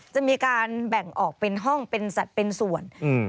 จะมีการแบ่งออกเป็นห้องเป็นสัตว์เป็นส่วนอืม